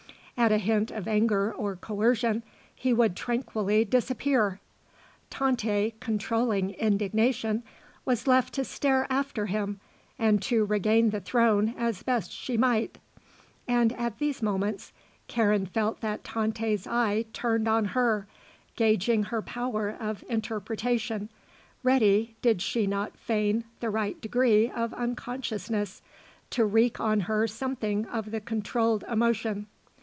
At a hint of anger or coercion, he would tranquilly disappear. Tante, controlling indignation, was left to stare after him and to regain the throne as best she might, and at these moments Karen felt that Tante's eye turned on her, gauging her power of interpretation, ready, did she not feign the right degree of unconsciousness, to wreak on her something of the controlled emotion.